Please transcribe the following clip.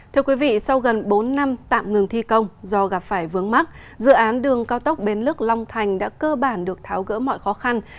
thưa quý vị sau gần bốn năm tạm ngừng thi công do gặp phải vướng mắt dự án đường cao tốc bến lức long thành đã cơ bản được tháo gỡ mọi khó khăn